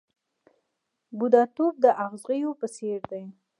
بوډاتوب د اغزیو په څېر دی .